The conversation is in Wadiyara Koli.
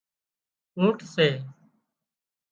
اُونٽ سي